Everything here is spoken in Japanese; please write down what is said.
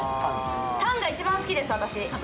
タンが一番好きです私。